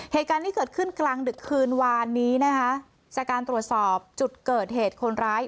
เหตุการณ์ที่เกิดขึ้นกลางดึกคืนวานนี้นะคะจากการตรวจสอบจุดเกิดเหตุคนร้าย